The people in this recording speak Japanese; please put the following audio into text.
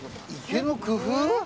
池の工夫？